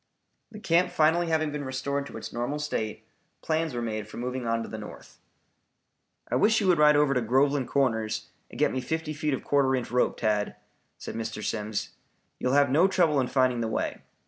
The camp finally having been restored to its normal state, plans were made for moving on to the north. "I wish you would ride over to Groveland Corners and get me fifty feet of quarter inch rope, Tad," said Mr. Simms. "You will have no trouble in finding the way.